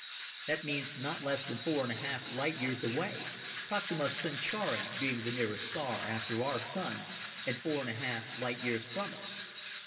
That means not less than four and a half light years away Proxima Centauri being the nearest star after our Sun, and four and a half light years from us.